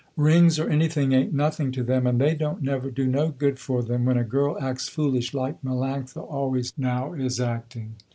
Rings or anything ain't nothing to them, and they don't never do no good for them, when a girl acts foolish like Melanctha always now is acting.